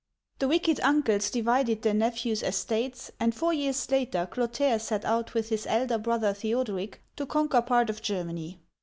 The wicked uncles divided their nephews' estates, and four years later Clotaire set out with his elder brother The od'eric to conquer part of Germany.